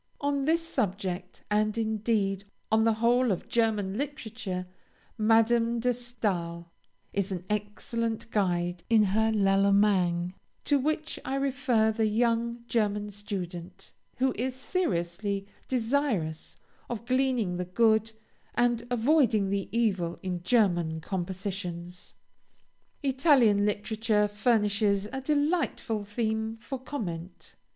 On this subject, and, indeed, on the whole of German literature, Madame de Stael is an excellent guide in her "L'Allemagne," to which I refer the young German student, who is sincerely desirous of gleaning the good, and avoiding the evil in German compositions. Italian literature furnishes a delightful theme for comment.